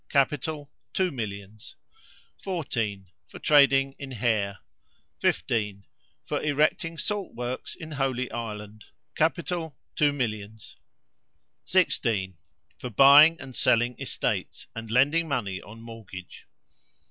Capital, two millions. 14. For trading in hair. 15. For erecting salt works in Holy Island. Capital, two millions. 16. For buying and selling estates, and lending money on mortgage.